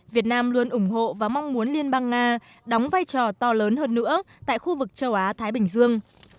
việt nam luôn ủng hộ và mong muốn liên bang nga đóng vai trò to lớn hơn nữa tại khu vực châu á thái bình dương